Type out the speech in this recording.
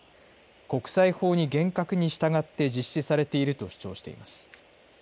国際法に厳格に従って実施されていると主張しています。